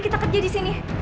kita kerja di sini